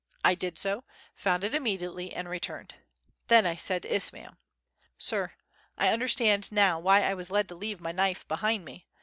I did so, found it immediately and returned. Then I said to Ismail: "Sir, I understand now why I was led to leave my knife behind me.